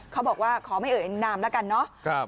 เขาบอกว่าขอไม่เอ่ยนามแล้วกันเนาะ